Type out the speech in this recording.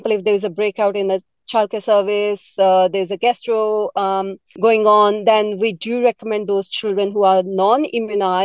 contohnya jika ada perkembangan di perkhidmatan kecil ada gestro yang berlaku maka kita merekomendasikan anak anak yang tidak imunis